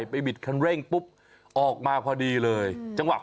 ไปบิดออกตัวเร็ว